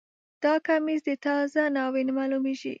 دا کمیس د تازه ناوې معلومیږي